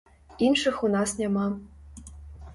Іншых у нас няма.